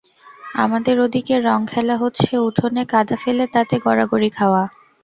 আমাদের ওদিকে রঙ খেলা হচ্ছে-উঠোনে কাদা ফেলে তাতে গড়াগড়ি খাওয়া।